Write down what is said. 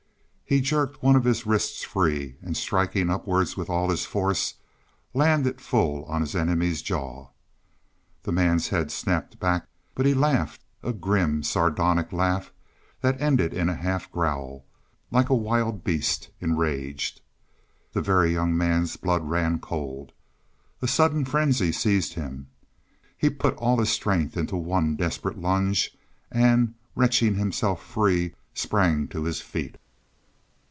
He jerked one of his wrists free and, striking upwards with all his force, landed full on his enemy's jaw. The man's head snapped back, but he laughed a grim, sardonic laugh that ended in a half growl, like a wild beast enraged. The Very Young Man's blood ran cold. A sudden frenzy seized him; he put all his strength into one desperate lunge and, wrenching himself free, sprang to his feet.